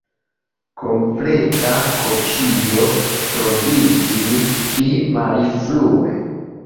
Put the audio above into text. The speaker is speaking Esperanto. Kompleta kopio troviĝis pli malfrue.